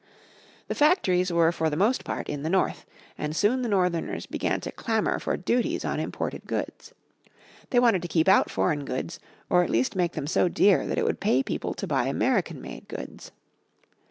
The factories were for the most part in the North, and soon the Northerners began to clamour for duties on imported goods. They wanted to keep out foreign goods, or at least make them so dear that it would pay people to buy American made goods.